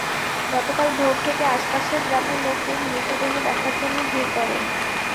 গতকাল ভোর থেকে আশপাশের গ্রামের লোকজন মৃতদেহ দেখার জন্য ভিড় করেন।